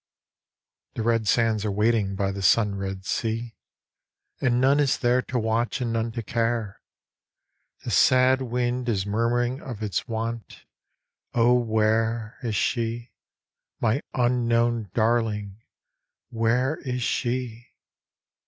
The red sands are waiting by the sun red sea, And none is there to watch and none to care ; The sad wind is murmuring of its want ; O where Is she, my unknown Darling, where is she